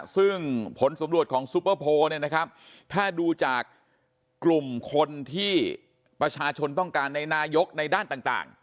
ซึ่งผลสำรวจของซุปเปอร์โพลถ้าดูจากกลุ่มคนที่ประชาชนต้องการในนายกในด้านต่าง